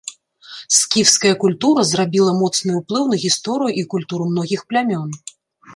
Скіфская культура зрабіла моцны ўплыў на гісторыю і культуру многіх плямён.